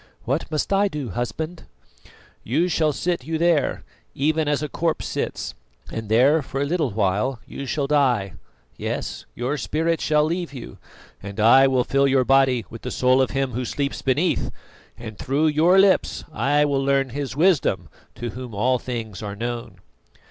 "What must I do, husband?" "You shall sit you there, even as a corpse sits, and there for a little while you shall die yes, your spirit shall leave you and I will fill your body with the soul of him who sleeps beneath; and through your lips I will learn his wisdom, to whom all things are known."